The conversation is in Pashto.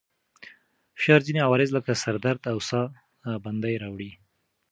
فشار ځينې عوارض لکه سر درد او ساه بندي راوړي.